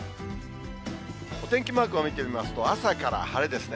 お天気マークを見てみますと、朝から晴れですね。